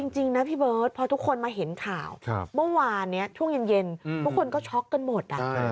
จริงนะพี่เบิร์ตพอทุกคนมาเห็นข่าวเมื่อวานนี้ช่วงเย็นทุกคนก็ช็อกกันหมด